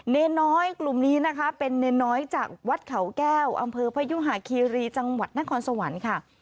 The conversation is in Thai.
เนน้อยกลุ่มนี้นะคะเป็นเนรน้อยจากวัดเขาแก้วอำเภอพยุหาคีรีจังหวัดนครสวรรค์ค่ะ